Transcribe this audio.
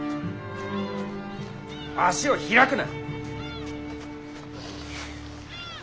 足を開くな。